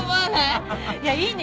いや「いいね！」